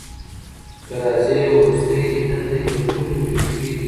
که راځې وروستی دیدن دی لګولي مي ډېوې دي